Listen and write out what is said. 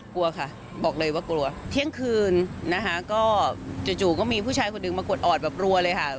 กลัวค่ะบอกเลยว่ากลัวเที่ยงคืนนะคะก็จู่ก็มีผู้ชายคนหนึ่งมากดออดแบบรัวเลยค่ะ